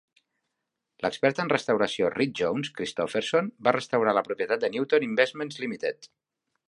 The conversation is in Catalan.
L'expert en restauració Read Jones Christofferson va restaurar la propietat de Newton Investments Limited.